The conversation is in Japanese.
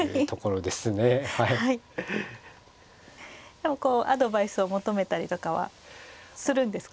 でもこうアドバイスを求めたりとかはするんですか？